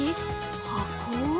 箱？